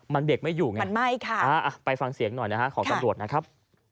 มันเบรกไม่อยู่ไงค่ะไปฟังเสียงหน่อยของสังโรธนะครับ